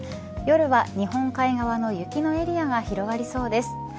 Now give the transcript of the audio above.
夜は日本海側の雪のエリアが広がりそうです。